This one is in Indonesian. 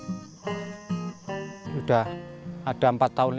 namun sejak dua ribu delapan tasuri insyaaf dan banting setir menghina kopi